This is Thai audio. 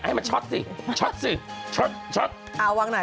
ให้มองทำลาย